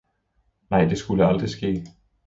Nej, det skulle aldrig ske.